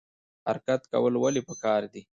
حرکت کول ولې پکار دي؟